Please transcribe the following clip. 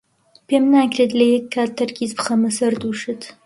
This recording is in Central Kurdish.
پێم ناکرێت لە یەک کات تەرکیز بخەمە سەر دوو شت.